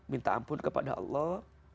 minta ampun kepada allah